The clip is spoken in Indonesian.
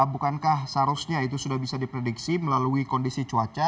bukankah seharusnya itu sudah bisa diprediksi melalui kondisi cuaca